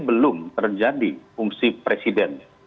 belum terjadi fungsi presiden